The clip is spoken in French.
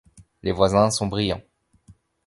les voisins sont brillants